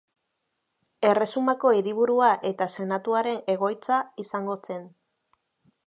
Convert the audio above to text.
Erresumako hiriburua eta Senatuaren egoitza izango zen.